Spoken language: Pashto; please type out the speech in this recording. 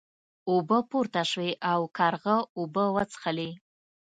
اوبه پورته شوې او کارغه اوبه وڅښلې.